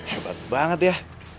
hebat banget ya